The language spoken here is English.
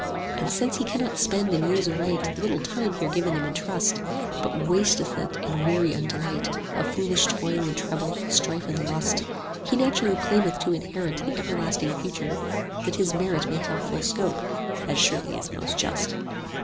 And since he cannot spend and use aright The little time here given him in trust, But wasteth it in weary undelight Of foolish toil and trouble, strife and lust, 25 He naturally claimeth to inherit The everlasting Future, that his merit May have full scope; as surely is most just.